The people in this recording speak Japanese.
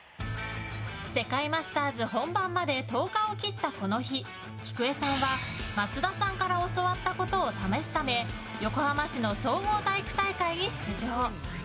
世界マスターズ本番まで１０日を切ったこの日きくえさんは松田さんから教わったことを試すため横浜市の総合体育大会に出場。